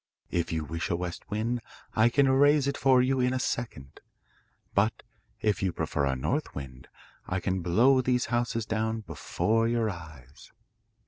If you wish a west wind I can raise it for you in a second, but if you prefer a north wind I can blow these houses down before your eyes.